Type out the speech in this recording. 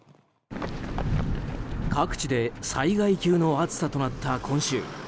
各地で災害級の暑さとなった今週。